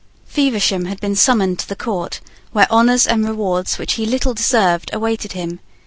Feversham had been summoned to the court, where honours and rewards which he little deserved awaited him.